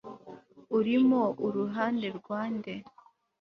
urimo uruhande rwa nde